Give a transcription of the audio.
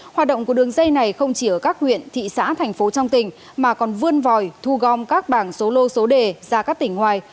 hoạt động của đường dây này không chỉ ở các huyện thị xã thành phố trong tỉnh mà còn vươn vòi thu gom các bảng số lô số đề ra các tỉnh ngoài